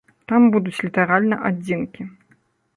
Там будуць літаральна адзінкі.